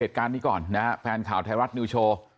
เหตุการณ์นี้ก่อนนะฮะแฟนข่าวไทยรัฐนิวโชว์